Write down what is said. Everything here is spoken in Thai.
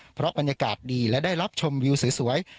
เพราะบรรยากาศดีและได้รับชมวิวสวย